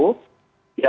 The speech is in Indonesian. ya saya tidak tahu